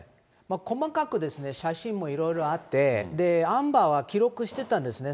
細かく写真もいろいろあって、アンバーは記録してたんですね。